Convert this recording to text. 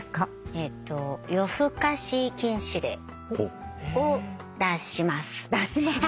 えっと夜更かし禁止令を出します。